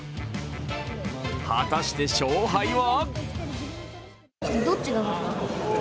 果たして勝敗は？